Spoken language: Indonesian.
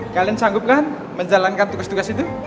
kalian sanggup kan menjalankan tugas tugas itu